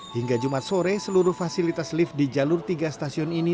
hingga jumat sore seluruh fasilitas lift di jalur tiga stasiun ini